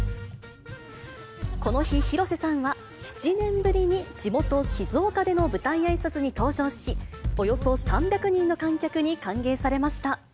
この日、広瀬さんは７年ぶりに地元、静岡での舞台あいさつに登場し、およそ３００人の観客に歓迎されました。